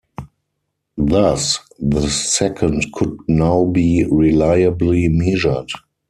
Thus the second could now be reliably measured.